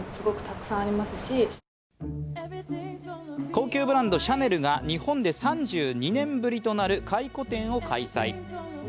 高級ブランド・シャネルが日本で３２年ぶりとなる回顧展を開催。